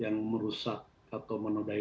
yang merusak atau menodai